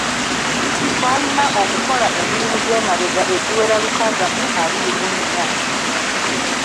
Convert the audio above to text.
Twalina okukola emirimu gy’emabega egiwera lukaaga mu abiri mu nnya.